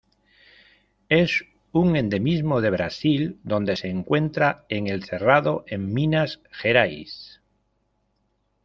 Es un endemismo de Brasil, donde se encuentra en el Cerrado en Minas Gerais.